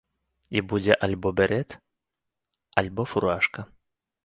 І будзе альбо берэт, альбо фуражка.